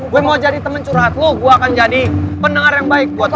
gue mau jadi teman curhat lo gue akan jadi pendengar yang baik buat aku